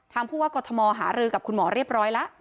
ผู้ว่ากรทมหารือกับคุณหมอเรียบร้อยแล้ว